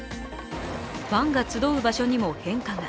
ファンが集う場所にも変化が。